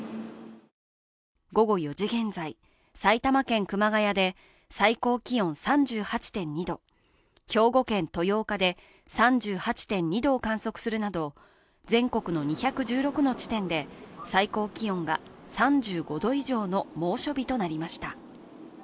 午後４時現在、埼玉県熊谷で最高気温３８．２度、兵庫県豊岡で３８．２度を観測するなど、全国の２１６地点で最高気温が３５度以上の猛暑日となりました。